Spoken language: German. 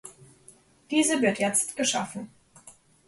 Diese wird jetzt geschaffen.